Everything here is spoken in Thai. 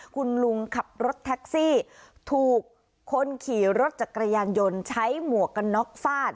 คุณลุงขับรถแท็กซี่ถูกคนขี่รถจักรยานยนต์ใช้หมวกกันน็อกฟาด